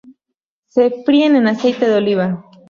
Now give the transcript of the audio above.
Se fríen en aceite de oliva.